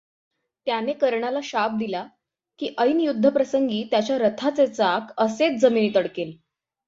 त्याने कर्णाला शाप दिला, की ऐन युद्धप्रसंगी त्याच्या रथाचे चाक असेच जमिनीत अडकेल.